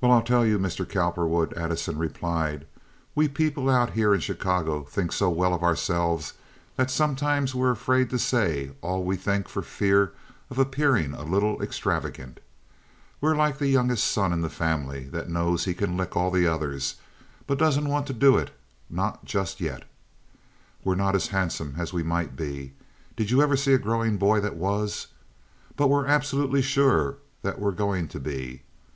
"Why, I'll tell you, Mr. Cowperwood," Addison replied. "We people out here in Chicago think so well of ourselves that sometimes we're afraid to say all we think for fear of appearing a little extravagant. We're like the youngest son in the family that knows he can lick all the others, but doesn't want to do it—not just yet. We're not as handsome as we might be—did you ever see a growing boy that was?—but we're absolutely sure that we're going to be.